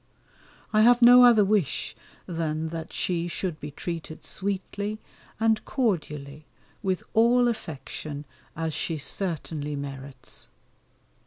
I have no other wish than that she should be treated sweetly and cordially with all affection as she certainly merits.